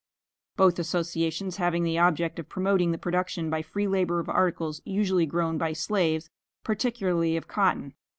both associations having the object of promoting the production by free labor of articles usually grown by slaves, particularly of cotton.